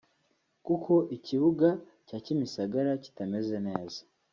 kuko ikibuga cya Kimisagara kitameze neza